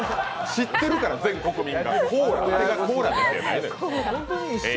知ってるから全国民が。